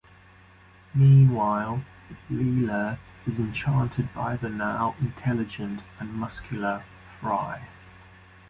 Meanwhile, Leela is enchanted by the now intelligent and muscular Fry.